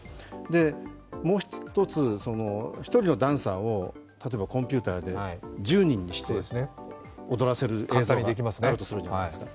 もう一つ、１人のダンサーを例えばコンピューターで１０人にして踊らせる映像があるとするじゃないですか。